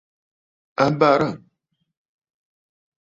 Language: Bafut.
A barə̂!